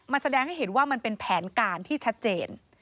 มันแสดงให้เห็นว่ามันเป็นแผนการที่ชัดเจน